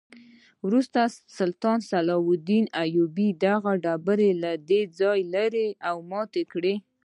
وروسته سلطان صلاح الدین ایوبي دغه ډبره له دې ځایه لرې او ماته کړه.